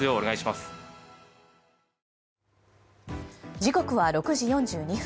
時刻は６時４２分。